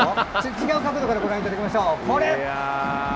違う角度からご覧いただきましょう。